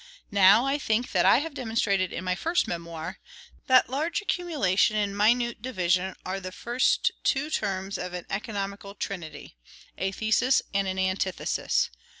Now I think that I have demonstrated in my First Memoir, that large accumulation and minute division are the first two terms of an economical trinity, a THESIS and an ANTITHESIS.